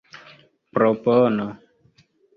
propono